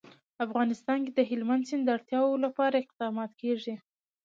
افغانستان کې د هلمند سیند د اړتیاوو لپاره اقدامات کېږي.